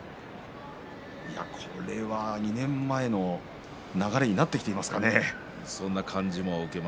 これはもう２年前の流れになってきていますかね。